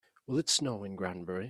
Will it snow in Granbury?